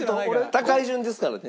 高い順ですからね。